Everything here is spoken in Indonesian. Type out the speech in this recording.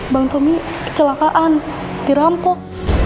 bang tommy kecelakaan dirampok